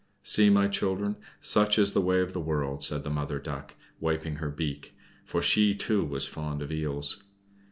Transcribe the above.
"See, my children, such is the way of the world," said the Mother Duck, wiping her beak, for she, too, was fond of eels.